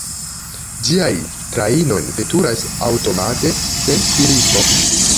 Ĝiaj trajnoj veturas aŭtomate, sen stiristo.